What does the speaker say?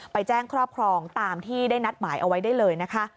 ไปแจ้งครอบครองตามที่ได้นัดหมายเอาไว้ได้เลยนะคะ